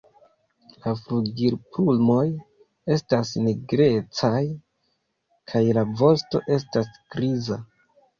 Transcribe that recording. La flugilplumoj estas nigrecaj kaj la vosto estas griza.